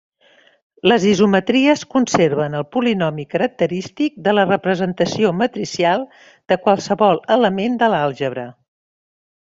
Les isometries conserven el polinomi característic de la representació matricial de qualsevol element de l'àlgebra.